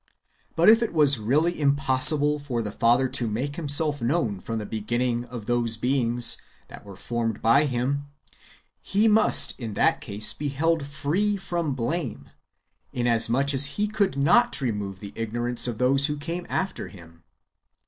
But if it was really impossible for the Father to make Himself known from the beginning to those [beings] that were formed by Him, He must in that case be held free from blame, inasmuch as He could not remove the ignorance of those who came after Him.